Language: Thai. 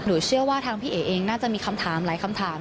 เชื่อว่าทางพี่เอ๋เองน่าจะมีคำถามหลายคำถาม